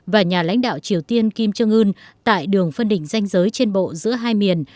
và nhà lãnh đạo triều tiên kim jong un tại đường phân đỉnh danh giới trên bộ giữa hai miền